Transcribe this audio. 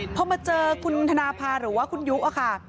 พอมาเจอคุณธนภาหรือว่าคุณยุค่ะ